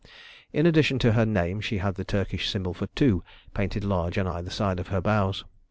In addition to her name she had the Turkish symbol for "2" painted large on either side of her bows.